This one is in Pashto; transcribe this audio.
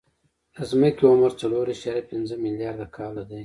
د ځمکې عمر څلور اعشاریه پنځه ملیارده کاله دی.